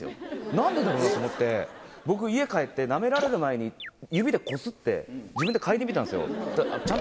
何でだろうなと思って僕家帰ってなめられる前に指でこすって自分で嗅いでみたんですよ。